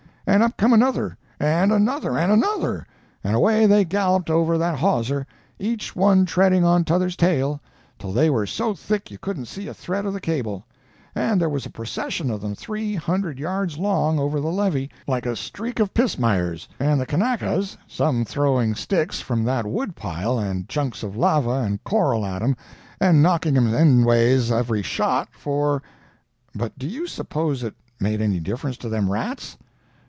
—and up come another! and another! and another! and away they galloped over that hawser, each one treading on t'other's tail, till they were so thick you couldn't see a thread of the cable, and there was a procession of 'em three hundred yards long over the levee like a streak of pismires, and the Kanakas, some throwing sticks from that wood pile and chunks of lava and coral at 'em and knocking 'em endways every shot—for?' but do you suppose it made any difference to them rats?